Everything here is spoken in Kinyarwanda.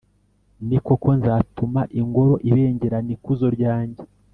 ni koko, nzatuma ingoro ibengerana ikuzo ryanjye.